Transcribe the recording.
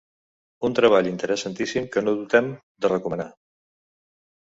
Un treball interessantíssim que no dubtem de recomanar.